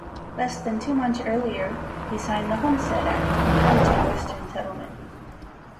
Less than two months earlier he signed the Homestead Act encouraging western settlement.